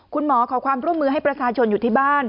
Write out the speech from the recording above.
คุณหมอขอความร่วมมือให้ประชาชนอยู่ที่บ้าน